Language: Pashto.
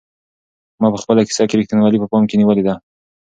ما په خپله کيسه کې رښتینولي په پام کې نیولې ده.